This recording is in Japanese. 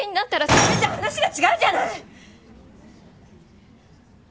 それじゃあ話が違うじゃない！